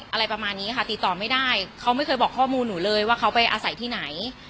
อะไรประมาณนี้ค่ะติดต่อไม่ได้เขาไม่เคยบอกข้อมูลหนูเลยว่าเขาไปอาศัยที่ไหน